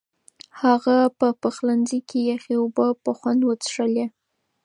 هغه په پخلنځي کې یخې اوبه په خوند وڅښلې.